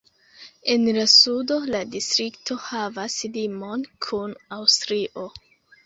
En la sudo la distrikto havas limon kun Aŭstrio.